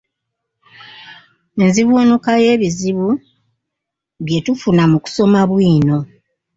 Enzivuunuka y'ebizibu bye tufuna mu kusoma bwino.